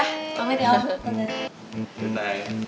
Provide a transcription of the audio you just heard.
komet ya om